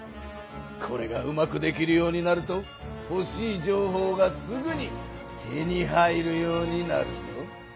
これがうまくできるようになるとほしい情報がすぐに手に入るようになるぞ。